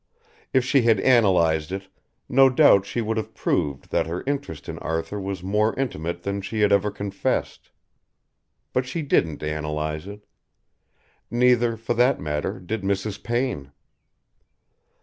If she had analysed it, no doubt she would have proved that her interest in Arthur was more intimate than she had ever confessed. But she didn't analyse it. Neither, for that matter, did Mrs. Payne.